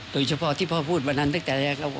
โดยเฉพาะที่พ่อพูดวันนั้นตั้งแต่แรกแล้ว